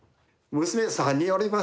娘３人おりまして。